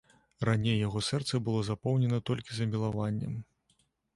Раней яго сэрца было запоўнена толькі замілаваннем.